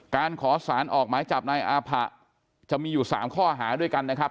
การขอสารออกหมายจับนายอาผะจะมีอยู่๓ข้อหาด้วยกันนะครับ